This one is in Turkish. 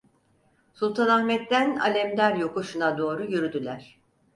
Sultanahmet’ten Alemdar yokuşuna doğru yürüdüler.